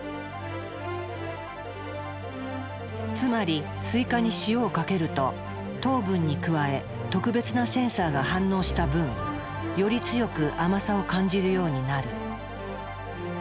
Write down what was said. つまりスイカに塩をかけると糖分に加え特別なセンサーが反応した分より強く甘さを感じるようになる。